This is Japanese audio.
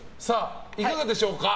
いかがでしょうか。